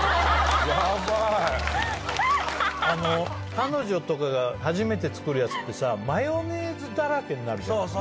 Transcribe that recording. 彼女が初めて作るやつってマヨネーズだらけになるじゃない。